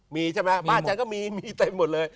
มีใช่ไหมบ้านฉันก็มีมีเต็มหมดเลย